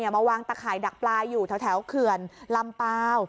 มาวางตะข่ายดักปลาอยู่แถวเขื่อนลำเปล่า